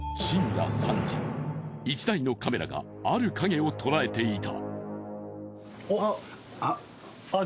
１台のカメラがある影を捉えていた。